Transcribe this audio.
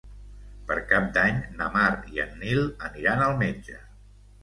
Per Cap d'Any na Mar i en Nil aniran al metge.